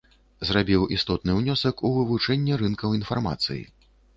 Зрабіў істотны ўнёсак у вывучэнне рынкаў інфармацыі.